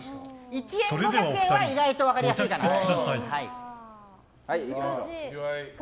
１円と５００円は意外と分かりやすいですよ。